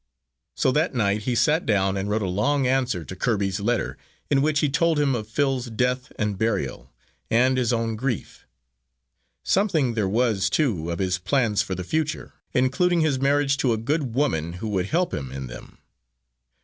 So that night he sat down and wrote a long answer to Kirby's letter, in which he told him of Phil's death and burial, and his own grief. Something there was, too, of his plans for the future, including his marriage to a good woman who would help him in them.